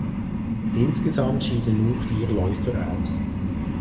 Insgesamt schieden nur vier Läufer aus.